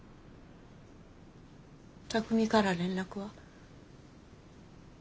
巧海から連絡は？